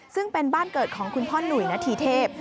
ซึ่งเป็นบ้านเกิดของคุณพ่อหนุ่ยนาธีเทพ